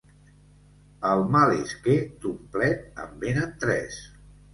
El mal és que, d'un plet, en venen tres.